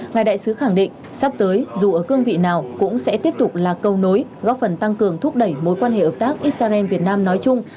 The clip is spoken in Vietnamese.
ngài đại sứ khẳng định sắp tới dù ở cương vị nào cũng sẽ tiếp tục là câu nối góp phần tăng cường thúc đẩy mối quan hệ ợp tác israel việt nam nói chung